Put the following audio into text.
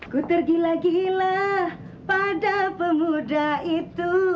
gue tergila gila pada pemuda itu